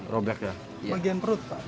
robek ya bagian perut